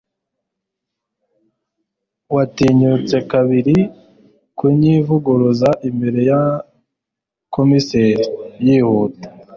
watinyutse kabiri kunyivuguruza imbere ya komiseri. (yihuta